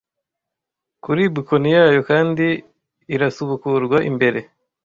Kuri bkoni yayo kandi irasubukurwa imbere,